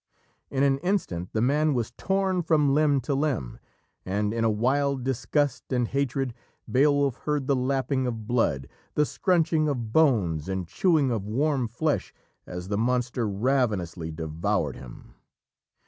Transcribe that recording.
In an instant the man was torn from limb to limb, and in a wild disgust and hatred Beowulf heard the lapping of blood, the scrunching of bones and chewing of warm flesh as the monster ravenously devoured him.